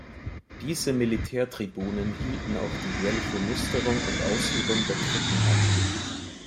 Diese Militärtribunen hielten auch die jährliche Musterung und Aushebung der Truppen ab.